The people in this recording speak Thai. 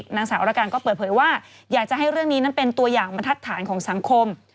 นางสาวรการก็เปิดเผยว่าอยากจะให้เรื่องนี้นั้นเป็นตัวอย่างบรรทัดฐานของสังคม